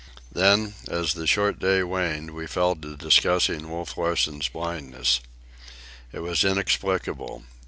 Then, as the short day waned, we fell to discussing Wolf Larsen's blindness. It was inexplicable.